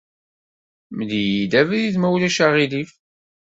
Mel-iyi-d abrid, ma ulac aɣilif.